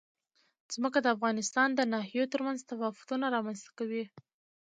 ځمکه د افغانستان د ناحیو ترمنځ تفاوتونه رامنځ ته کوي.